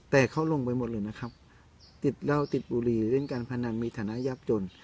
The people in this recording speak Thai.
แต่เขาลงไปหมดเลยนะครับติดเหล้าติดบุหรี่เล่นการพนันมีฐานะยับจน